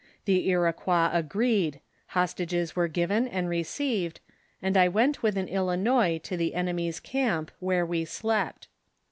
The Iroquois agreed, hostages were given and received, and I went with an Ilinois to the enemy's camp, where we slept.